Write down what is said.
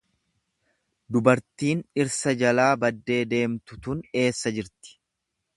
Dubartiin dhirsa jalaa baddee deemtu tun eessa jirti?